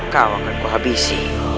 kau akan kuhabisi